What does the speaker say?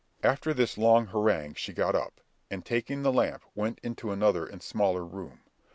After this long harangue she got up, and taking the lamp went into another and smaller room.